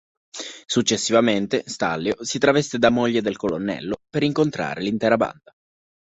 Successivamente Stanlio si traveste da moglie del colonnello, per incontrare l'intera banda.